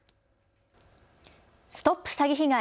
ＳＴＯＰ詐欺被害！